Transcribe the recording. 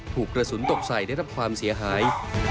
ถูกกระสุนตกใส่ได้รับความเสียหาย